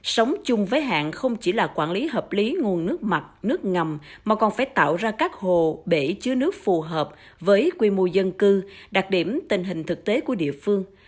sống chung với hạn không chỉ là quản lý hợp lý nguồn nước mặt nước ngầm mà còn phải tạo ra các hồ bể chứa nước phù hợp với quy mô dân cư đặc điểm tình hình thực tế của địa phương